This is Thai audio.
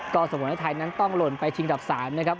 ตอนสมมุติไทยนั้นต้องลดไปชิงอันดับ๓นะครับ